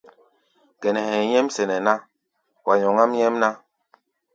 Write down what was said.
Gɛnɛ hɛ̧ɛ̧ nyɛ́m sɛnɛ ná, wa nyɔŋáʼm nyɛ́mná.